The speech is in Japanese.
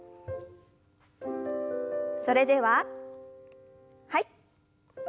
それでははい。